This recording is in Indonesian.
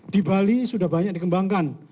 di bali sudah banyak dikembangkan